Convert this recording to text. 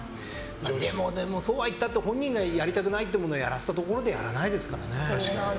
でも、そうは言ったって本人がやりたくないものをやらせたところでやらないですからね。